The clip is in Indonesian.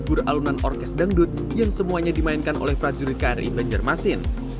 kubur alunan orkes dangdut yang semuanya dimainkan oleh prajurit kri banjarmasin